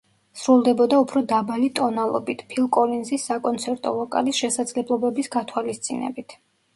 სრულდებოდა უფრო დაბალი ტონალობით, ფილ კოლინზის საკონცერტო ვოკალის შესაძლებლობების გათვალისწინებით.